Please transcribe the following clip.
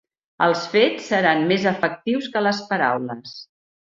Els fets seran més efectius que les paraules.